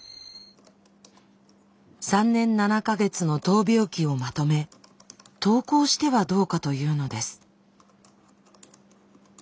３年７か月の闘病記をまとめ投稿してはどうかというのです。